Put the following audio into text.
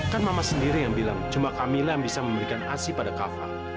kan mama sendiri yang bilang cuma camillah yang bisa memberikan asi pada kava